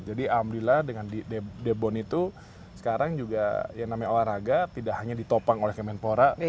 jadi alhamdulillah dengan debon itu sekarang juga yang namanya olahraga tidak hanya ditopang oleh kemenpora